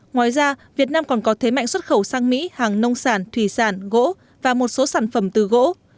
ngoài ra việt nam còn có thế mạnh xuất khẩu sang mỹ hàng nông sản thủy sản gỗ và một số sản phẩm từ gỗ